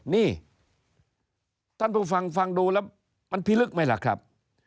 นี่ท่านผู้ฟังฟังดูแล้วมันพิลึกไหมล่ะครับ